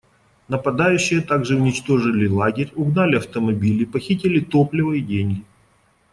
Нападающие также уничтожили лагерь, угнали автомобили, похитили топливо и деньги.